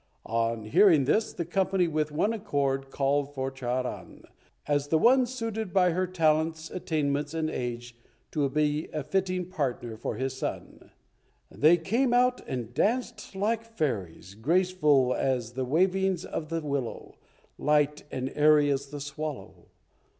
On hearing this, the company, with one accord, called for Charan, as the one suited by her talents, attainments and age to be a fitting partner for his son. They came out and danced like fairies, graceful as the wavings of the willow, light and airy as the swallow.